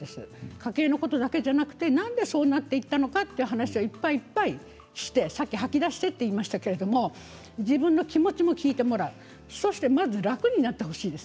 家計のことだけじゃなくてなんでそうなっていったのかということをいっぱいいっぱいしてさっき吐き出してと言いましたけれど自分の気持ちも聞いてもらうそしてまず楽になってほしいです。